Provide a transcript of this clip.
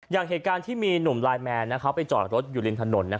อย่างเหตุการณ์ที่มีหนุ่มไลน์แมนเขาไปจอดรถอยู่ริมถนน